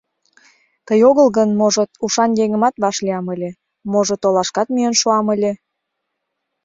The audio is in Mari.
Тый огыл гын, можыт, ушан еҥымат вашлиям ыле, можыт, олашкат миен шуам ыле.